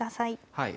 はい。